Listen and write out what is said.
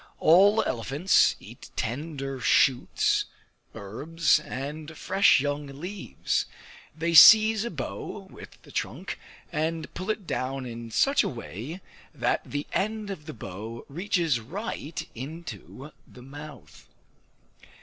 All elephants eat tender shoots, herbs, and fresh young leaves; they seize a bough with the trunk, and pull it down in such a way that the end of the bough reaches right into the mouth.